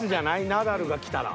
ナダルが来たら。